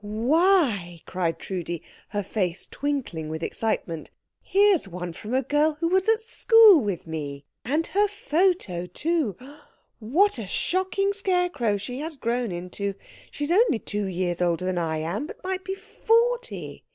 "Why," cried Trudi, her face twinkling with excitement, "here's one from a girl who was at school with me. And her photo, too what a shocking scarecrow she has grown into! She is only two years older than I am, but might be forty.